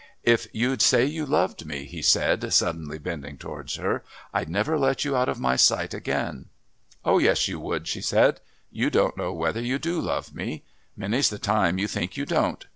"If you'd say you loved me," he said, suddenly bending towards her, "I'd never let you out of my sight again." "Oh, yes, you would," she said; "you don't know whether you do love me. Many's the time you think you don't.